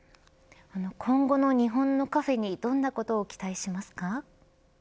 今後の日本のカフェにどんなことを期待しますか。